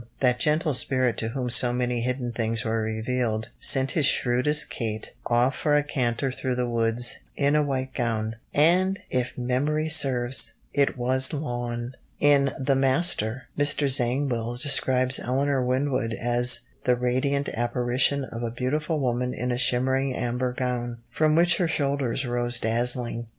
that gentle spirit to whom so many hidden things were revealed, sent his shrewish "Kate" off for a canter through the woods in a white gown, and, if memory serves, it was lawn! In The Master, Mr. Zangwill describes Eleanor Wyndwood as "the radiant apparition of a beautiful woman in a shimmering amber gown, from which her shoulders rose dazzling."